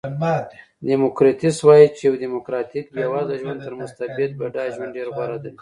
دیموکریتوس وایي چې یو دیموکراتیک بېوزله ژوند تر مستبد بډایه ژوند ډېر غوره دی.